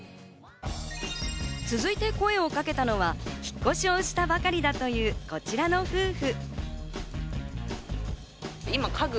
続いて声をかけたのは引っ越しをしたばかりだというこちらの夫婦。